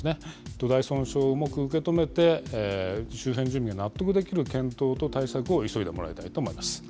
土台損傷を重く受け止めて、周辺住民が納得できる検討と対策を急いでもらいたいと思います。